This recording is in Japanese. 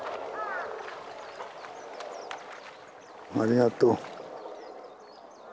ありがとう。